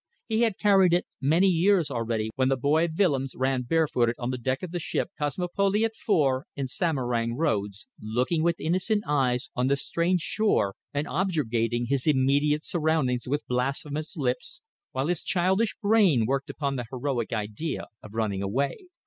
He had carried it many years already when the boy Willems ran barefooted on the deck of the ship Kosmopoliet IV. in Samarang roads, looking with innocent eyes on the strange shore and objurgating his immediate surroundings with blasphemous lips, while his childish brain worked upon the heroic idea of running away.